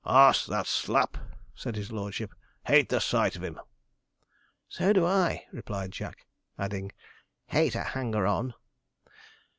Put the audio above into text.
'Ass, that Slapp,' said his lordship; 'hate the sight of him!' 'So do I,' replied Jack, adding, 'hate a hanger on!'